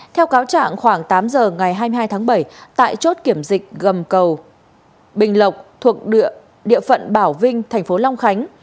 theo cáo trạng khoảng tám giờ ngày hai mươi hai tháng bảy tại chốt kiểm dịch gầm cầu bình lộc thuộc địa phận bảo vinh thành phố long khánh